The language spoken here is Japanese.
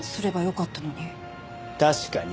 確かに。